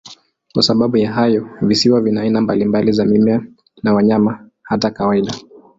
Kwa sababu ya hayo, visiwa vina aina mbalimbali za mimea na wanyama, hata kawaida.